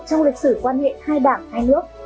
trong lịch sử quan hệ hai đảng hai nước